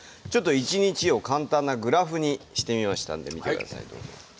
ちょっと１日を簡単なグラフにしてみましたんで見て下さい。